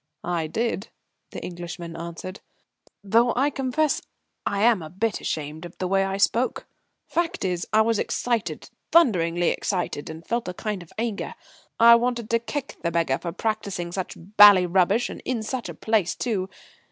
"I did," the Englishman answered, "though I confess I'm a bit ashamed of the way I spoke. Fact is, I was excited, thunderingly excited, and felt a kind of anger. I wanted to kick the beggar for practising such bally rubbish, and in such a place too.